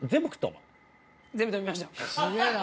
すげぇな。